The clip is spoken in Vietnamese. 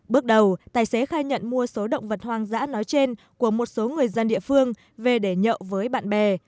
bước đầu tài xế khai nhận mua số động vật hoang dã nói trên của một số người dân địa phương về để nhậu với bạn bè